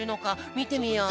みてみよう。